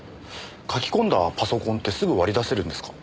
書き込んだパソコンってすぐ割り出せるんですか？